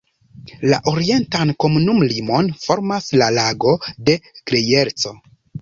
La orientan komunumlimon formas la Lago de Grejerco.